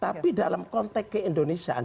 tapi dalam konteks keindonesiaan